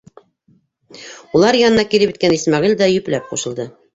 Улар янына килеп еткән Исмәғил дә йөпләп ҡушылды.